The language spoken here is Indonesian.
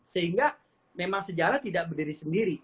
sehingga memang sejarah tidak berdiri sendiri